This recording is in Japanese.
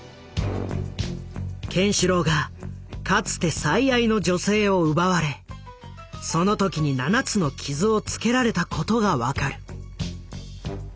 ケンシロウがかつて最愛の女性を奪われその時に７つの傷をつけられたことが分かる。